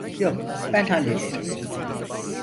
Yok, ben hallederim.